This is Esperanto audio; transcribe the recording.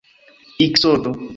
iksodo